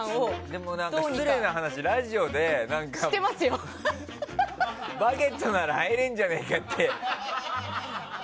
でも失礼な話、ラジオで「バゲット」なら入れんじゃねえかって。